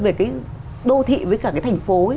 về cái đô thị với cả cái thành phố